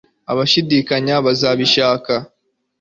Abashidikanya bazabishaka